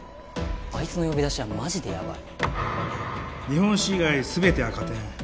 あいつの呼び出しはマジでやばい日本史以外全て赤点